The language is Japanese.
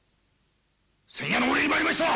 先夜のお礼に参りました！